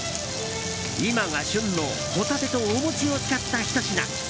今が旬のホタテとお餅を使ったひと品。